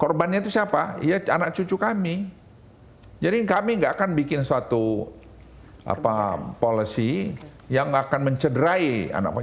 korbannya itu siapa ya anak cucu kami jadi kami enggak akan bikin suatu policy yang akan mencederai anak anak